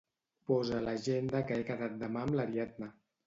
Posa a l'agenda que he quedat demà amb l'Ariadna.